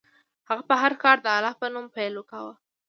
هغه به هر کار د الله په نوم پیل کاوه.